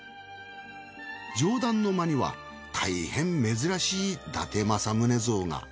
上段の間にはたいへん珍しい伊達政宗像が。